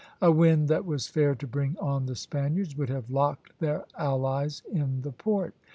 A wind that was fair to bring on the Spaniards would have locked their allies in the port.